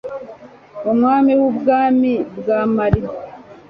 umwami w'Ubwami bwa Mali,